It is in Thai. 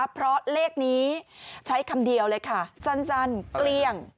เพราะเลขนี้ใช้คำเดียวเลยค่ะสั้นเกลี้ยง